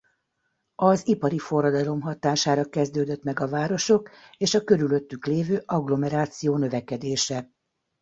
Az ipari forradalom hatására kezdődött meg a városok és a körülöttük lévő agglomeráció növekedése.